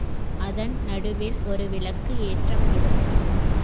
அதன் நடுவில் ஒரு விளக்கு ஏற்றப்படும்.